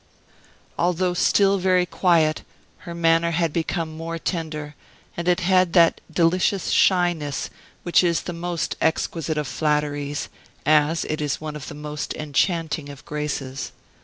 Although still very quiet, her manner had become more tender, and it had that delicious shyness which is the most exquisite of flatteries, as it is one of the most enchanting of graces.